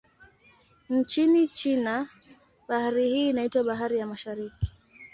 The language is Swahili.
Nchini China, bahari hii inaitwa Bahari ya Mashariki.